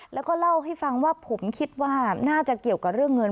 แล้วก็เล่าให้ฟังว่าผมคิดว่าน่าจะเกี่ยวกับเรื่องเงิน